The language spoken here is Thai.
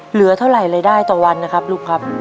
เหลือเท่าไหร่รายได้ต่อวันนะครับลูกครับ